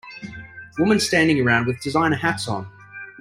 Woman standing around with designer hats on.